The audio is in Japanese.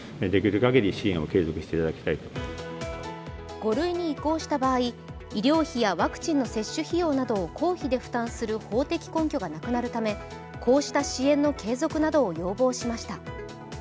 ５類に移行した場合、医療費やワクチン接種費用などを公費で負担する法的根拠がなくなるため、こうした支援の継続などを要望しました。